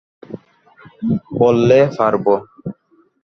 বললে, পারব।